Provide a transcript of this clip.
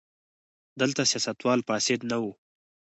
دلته سیاستوال فاسد نه وو.